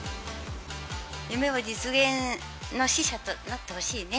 夢を実現する使者となってほしいですね。